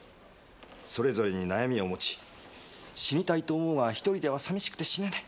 それぞれに悩みを持ち死にたいと思うが一人では寂しくて死ねない。